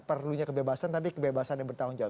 perlunya kebebasan tapi kebebasan yang bertahun tahun